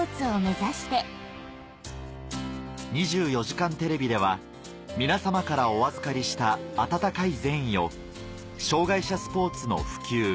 『２４時間テレビ』では皆様からお預かりした温かい善意を障害者スポーツの普及